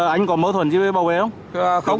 anh có mâu thuẫn gì với bảo vệ không